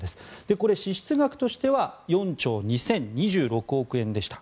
これ、支出額としては４兆２０２６億円でした。